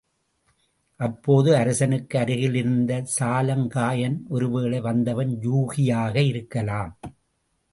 அப்போது அரசனுக்கு அருகில் இருந்த சாலங்காயன், ஒருவேளை வந்தவன் யூகியாக இருக்கலாம்.